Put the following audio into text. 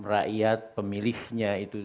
rakyat pemilihnya itu